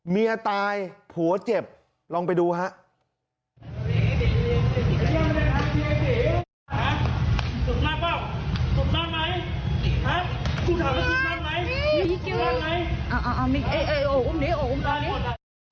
เมียตายผัวเจ็บลองไปดูฮะ